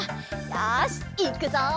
よしいくぞ！